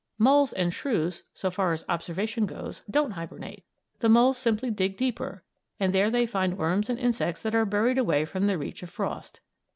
Moles and shrews, so far as observation goes, don't hibernate. The moles simply dig deeper, and there they find worms and insects that are buried away from the reach of frost.